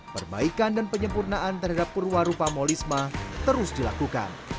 perbaikan dan penyempurnaan terhadap perwarupa molisma terus dilakukan